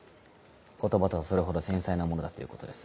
言葉とはそれほど繊細なものだということです。